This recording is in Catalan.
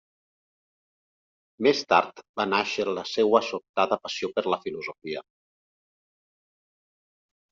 Més tard va nàixer la seua sobtada passió per la filosofia.